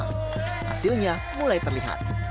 hasilnya mulai terlihat